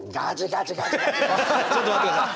ちょっと待って下さい。